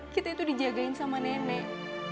kita itu dijagain sama nenek